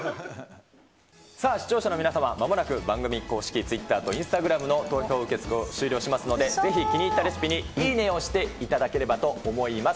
さあ、視聴者の皆様、まもなく番組公式ツイッターとインスタグラムの投票受け付けを終了しますので、ぜひ気に入ったレシピにいいねを押していただければと思います。